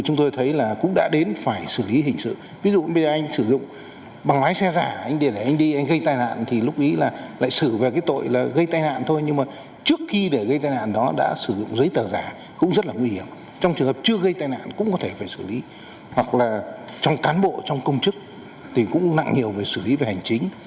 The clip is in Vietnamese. trong cán bộ trong công chức thì cũng nặng nhiều về xử lý về hành chính